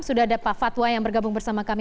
sudah ada pak fatwa yang bergabung bersama kami